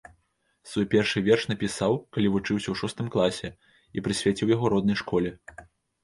Свой першы верш напісаў, калі вучыўся ў шостым класе, і прысвяціў яго роднай школе.